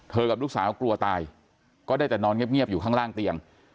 กับลูกสาวกลัวตายก็ได้แต่นอนเงียบอยู่ข้างล่างเตียง